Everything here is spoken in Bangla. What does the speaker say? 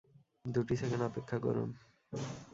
দুটি সেকেন্ড অপেক্ষা করুন।